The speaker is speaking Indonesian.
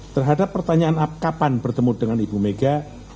terhadap pertanyaan kapan bertemu dengan ibu mega